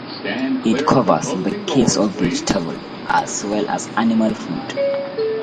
It covers the case of vegetable as well as animal food.